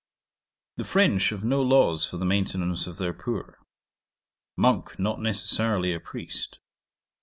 'The French have no laws for the maintenance of their poor. Monk not necessarily a priest.